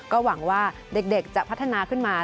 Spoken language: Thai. ก็หวังว่าเด็กจะพัฒนาขึ้นมา